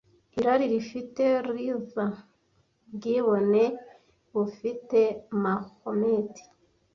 irari rifite luther ubwibone bufite mahomet